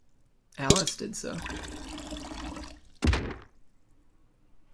Alice did so.